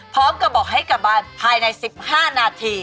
พร้อมกับบอกให้กลับบ้านภายใน๑๕นาที